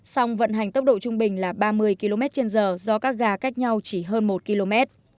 song vận hành tốc độ trung bình là ba mươi km trên giờ do các gà cách nhau chỉ hơn một km